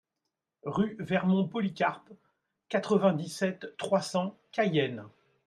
Rue Vermont Polycarpe, quatre-vingt-dix-sept, trois cents Cayenne